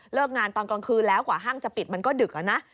งานตอนกลางคืนแล้วกว่าห้างจะปิดมันก็ดึกอะนะ